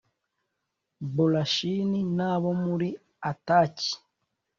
borashani n abo muri ataki